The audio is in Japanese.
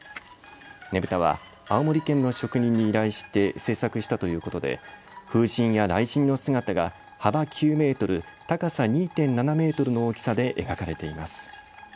ねぶたは青森県の職人に依頼して製作したということで風神や雷神の姿が幅９メートル、高さ２．７メートルの大きさで描かれています。